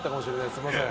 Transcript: すみません。